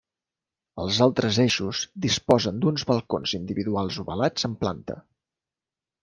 Els altres eixos disposen d'uns balcons individuals ovalats en planta.